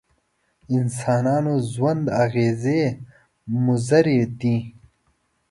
انسانانو ژوند اغېزې مضرې دي.